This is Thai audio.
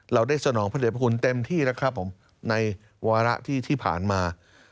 เราได้สนองพระเด็จพระคุณเต็มที่แล้วครับผมในวาระที่ผ่านมา